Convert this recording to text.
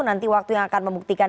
nanti waktu yang akan membuktikan